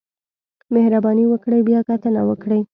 مهرباني وکړئ بیاکتنه وکړئ